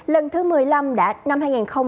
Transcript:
lần thứ một mươi năm năm hai nghìn một mươi chín